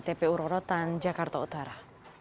tpu rorotan jakarta utara